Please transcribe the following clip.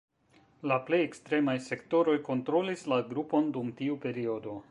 La plej ekstremaj sektoroj kontrolis la grupon dum tiu periodo.